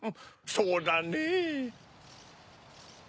そうだねぇ。